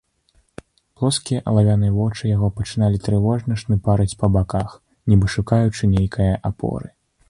Плоскія алавяныя вочы яго пачыналі трывожна шныпарыць па баках, нібы шукаючы нейкае апоры.